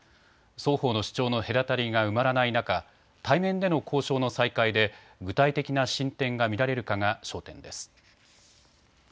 双方の主張の隔たりが埋まらない中、対面での交渉の再開で具体的な進展が見られるかが焦点です。